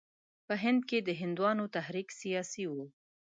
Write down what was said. په هند کې د هندوانو تحریک سیاسي وو.